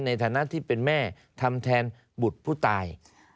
ในฐานะที่เป็นแม่ทำแทนบุตรผู้ตาย